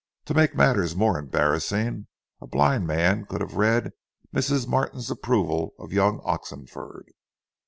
To make matters more embarrassing, a blind man could have read Mrs. Martin's approval of young Oxenford.